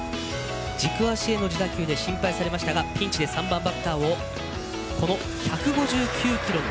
軸足への自打球で心配されましたが、ピンチで３番バッターを１５９キロ。